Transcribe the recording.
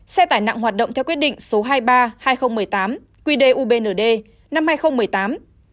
xe tải nặng hoạt động theo quyết định số hai mươi ba hai nghìn một mươi tám quy đề ubnd năm hai nghìn một mươi tám